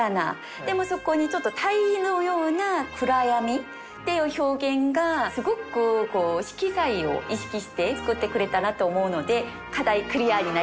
でもそこにちょっと対比のような「暗闇」っていう表現がすごく色彩を意識して作ってくれたなと思うので課題クリアになります。